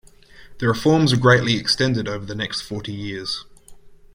The reforms were greatly extended over the next forty years.